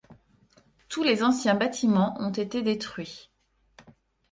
Tous les anciens bâtiments ont été détruits.